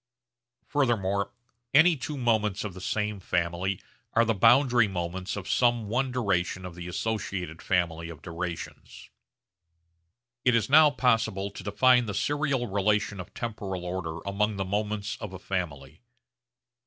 Furthermore any two moments of the same family are the boundary moments of some one duration of the associated family of durations. It is now possible to define the serial relation of temporal order among the moments of a family.